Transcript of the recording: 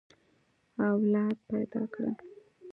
اولاد پيدا کړه.